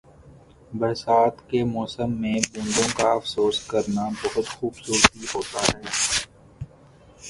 برسات کے موسم میں بوندوں کا افسوس کرنا بہت خوبصورتی ہوتا ہے۔